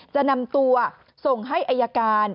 จะนำตัวส่งให้อายการ